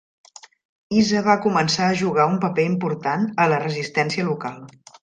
Isa va començar a jugar un paper important a la resistència local.